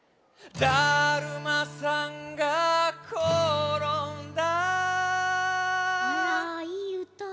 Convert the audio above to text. だるまさんがころんだ